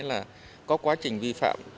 là có quá trình vi phạm